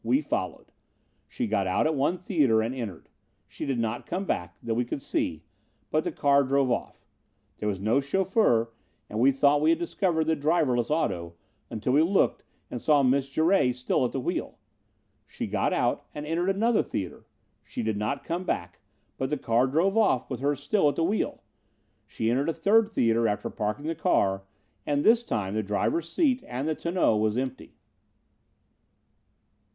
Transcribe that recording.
We followed. She got out at one theater and entered. She did not come back, that we could see, but the car drove off. There was no chauffeur, and we thought we had discovered the driverless auto, until we looked and saw Miss Jouret still at the wheel. "She got out and entered another theater. She did not come back, but the car drove off with her still at the wheel. She entered a third theater after parking the car and this time the driver's seat and the tonneau was empty.